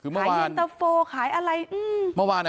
คือเมื่อวานขายอินเตอร์โฟขายอะไรอืมเมื่อวานน่ะ